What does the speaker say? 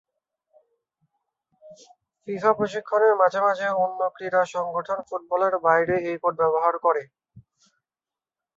FIFA প্রশিক্ষণে মাঝে মাঝে অন্য ক্রীড়া সংগঠন ফুটবলের বাইরে এই কোড ব্যবহার করে।